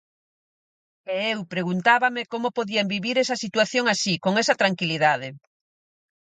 E eu preguntábame como podían vivir esa situación así, con esa tranquilidade.